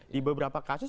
di beberapa kasus